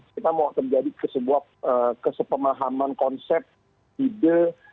kita mau terjadi ke sebuah kesepemahaman konsep ide